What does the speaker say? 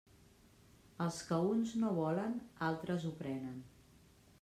El que uns no volen, altres ho prenen.